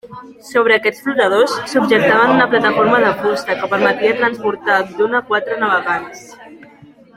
Sobre aquests flotadors, subjectaven una plataforma de fusta, que permetia transportar d'un a quatre navegants.